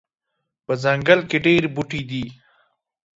په ځنګل کې ډیر بوټي دي